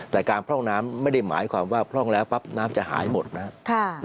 แต่การพร่องน้ำไม่ได้หมายความว่าพร่องแล้วปั๊บน้ำจะหายหมดนะครับ